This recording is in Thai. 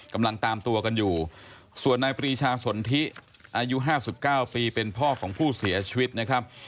กำลังตามตัวกันอยู่ส่วนนายปรีชาสนทิอายุ๕๙ปีเป็นพ่อของผู้เสียชีวิตนะครับ